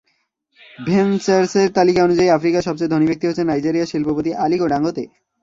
ভেনচারসের তালিকা অনুযায়ী আফ্রিকার সবচেয়ে ধনী ব্যক্তি হচ্ছেন নাইজেরিয়ার শিল্পপতি আলিকো ডাঙ্গোতে।